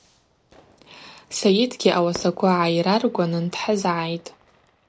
Сайытгьи ауасаква гӏайраргванын дхӏызгӏайтӏ.